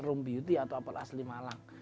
room beauty atau apel asli malang